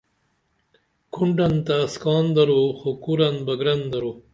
کھونڈن تہ اسکان درو خو کُرن بہ گرن درو